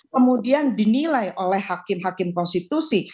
kemudian dinilai oleh hakim hakim konstitusi